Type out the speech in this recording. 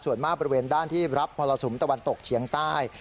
ส่วนมากบริเวณด้านที่รับมรสุมตะวันตกเฉียงใต้